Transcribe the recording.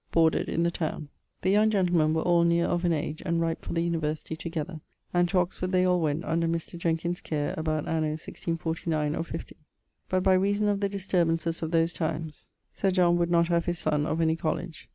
boarded in the towne. The young gentlemen were all neer of an age, and ripe for the University together; and to Oxford they all went under Mr. Jenkins' care about anno 1649 or 50, but by reason of the disturbances of those times, Sir John would not have his sonne of any college.